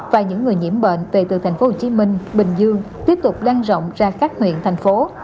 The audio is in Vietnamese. và những người nhiễm bệnh từ tp hcm bình dương tiếp tục lan rộng ra các huyện thành phố